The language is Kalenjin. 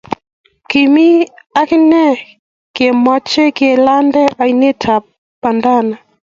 kemi ak inye kemuchi ke lande ainet ab bananda